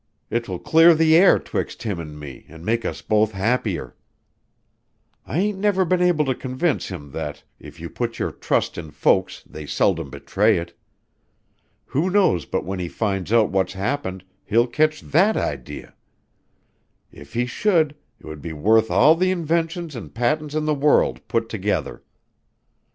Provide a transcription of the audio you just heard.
'Twill clear the air 'twixt him an' me, an' make us both happier. I ain't never been able to convince him that if you put your trust in folks they seldom betray it. Who knows but when he finds out what's happened he'll kitch that idee? If he should, 'twould be worth all the inventions and patents in the world put together.